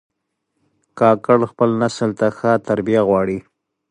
کاکړ خپل نسل ته ښه تربیه غواړي.